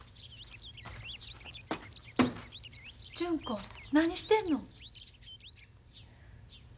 純子何してんの？